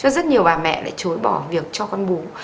rất nhiều bà mẹ lại chối bỏ việc cho con bú